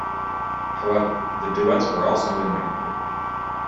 However, the duets were all sung in Mandarin.